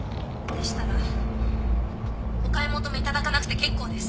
でしたらお買い求めいただかなくて結構です。